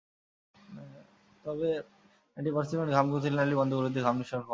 তবে অ্যান্টিপারসপিরেন্ট ঘাম গ্রন্থির নালি বন্ধ করে দিয়ে ঘাম নিঃসরণ কমায়।